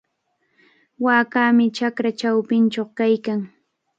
Waakami chakra chawpinchaw kaykan.